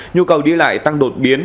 nhu cầu đi lại tăng đột biến